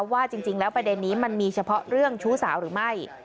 ว่าจริงแล้วประเด็นนี้มันมีเฉพาะเรื่องชู้สาวหรือไม่